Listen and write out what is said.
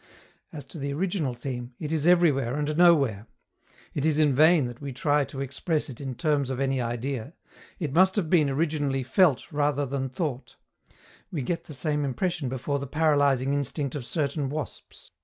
As to the original theme, it is everywhere and nowhere. It is in vain that we try to express it in terms of any idea: it must have been, originally, felt rather than thought. We get the same impression before the paralyzing instinct of certain wasps.